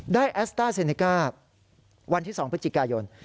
แอสต้าเซเนก้าวันที่๒พฤศจิกายน